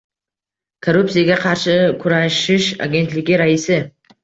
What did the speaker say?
Korrupsiyaga qarshi kurashish agentligi raisi